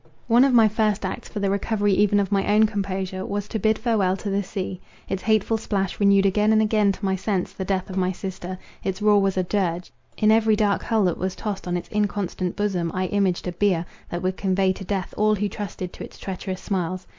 One of my first acts for the recovery even of my own composure, was to bid farewell to the sea. Its hateful splash renewed again and again to my sense the death of my sister; its roar was a dirge; in every dark hull that was tossed on its inconstant bosom, I imaged a bier, that would convey to death all who trusted to its treacherous smiles.